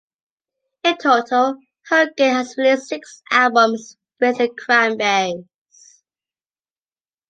In total, Hogan has released six albums with The Cranberries.